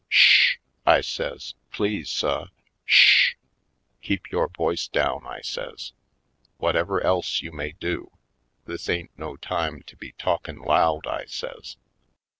"Sh h hr I says, "please, suh, sh h h! Keep yore voice down," I says, "whutever else you may do. This ain't no time to be talkin' loud," I says.